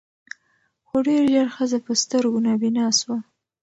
خو ډېر ژر ښځه په سترګو نابینا سوه